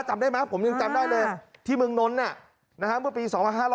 จำได้ไหมผมยังจำได้เลยที่เมืองนนท์เมื่อปี๒๕๕๙